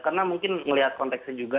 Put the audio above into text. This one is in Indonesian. karena mungkin melihat kontekstnya juga